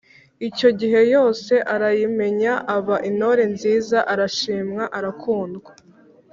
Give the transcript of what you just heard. icyo gihe yose arayimenya Aba intore nziza arashimwa arakundwa